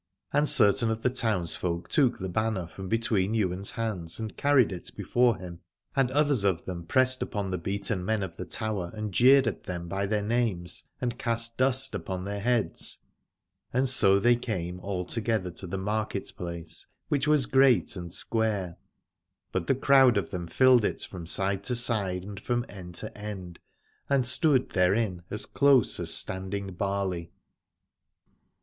And certain of the townsfolk took the banner from be tween Ywain's hands and carried it before him ; and others of them pressed upon the beaten men of the Tower and jeered at them by their names and cast dust upon their heads : and so they came all together to the market place, which was great and square, but the crowd of them filled it from side to side and from end to end, and stood therein as close as standing barley.